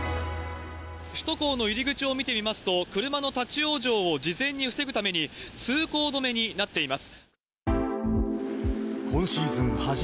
首都高の入り口を見てみますと、車の立往生を事前に防ぐために、通行止めになっています。